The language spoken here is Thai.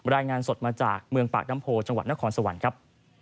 รายงานสดมาจากเมืองปากน้ำโพจังหวัดนครสวรรค์ครับ